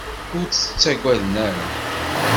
Ur tt-ttagaden ara.